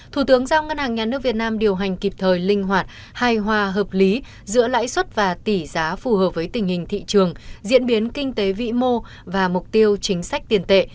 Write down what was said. thủ tướng giao ngân hàng nhà nước việt nam điều hành kịp thời linh hoạt hài hòa hợp lý giữa lãi suất và tỷ giá phù hợp với tình hình thị trường diễn biến kinh tế vĩ mô và mục tiêu chính sách tiền tệ